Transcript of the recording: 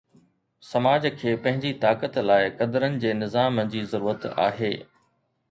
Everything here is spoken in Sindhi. سماج کي پنهنجي طاقت لاءِ قدرن جي نظام جي ضرورت آهي.